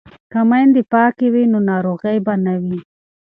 که میندې پاکې وي نو ناروغي به نه وي.